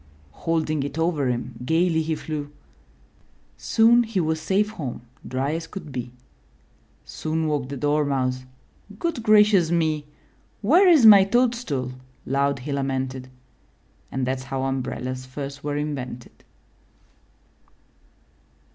Holding it over him, gayly he flew. Soon he was safe home, dry as could be. Soon woke the Dormouse — ''Good gracious me!" ''Where is my toadstool?" loud he lamented. And that*s how umbrellas first were invented.